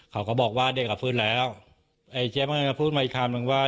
เขาก็บอกว่าเด็กอ่ะฟื้นแล้วไอ้เจ๊เมินก็พูดมาอีกคำนึงว่า